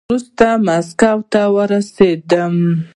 وروسته ماسکو ته ورسېدم.